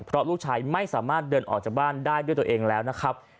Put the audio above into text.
เพราะลูกชายไม่สามารถเดินออกจากบ้านได้ด้วยตัวเองแล้วนะครับ